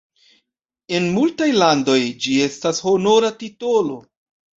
En multaj landoj, ĝi estas honora titolo.